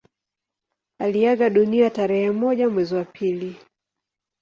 Aliaga dunia tarehe moja mwezi wa pili